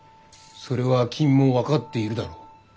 それは君も分かっているだろう？